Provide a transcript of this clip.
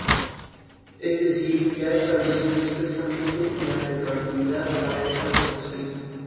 Además, obtuvo un título en Cine del Santa Monica College.